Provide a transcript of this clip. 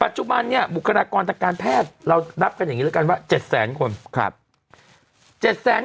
จุบันเนี่ยบุคลากรทางการแพทย์เรานับกันอย่างนี้แล้วกันว่า๗แสนคน